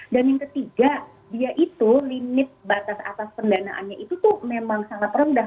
dan yang ketiga dia itu limit batas atas pendanaannya itu tuh memang sangat rendah